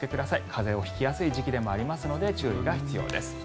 風邪を引きやすい時期でもありますので注意が必要です。